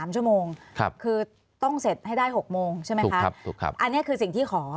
๓ชั่วโมงคือต้องเสร็จให้ได้๖โมงใช่ไหมคะอันนี้คือสิ่งที่ขอ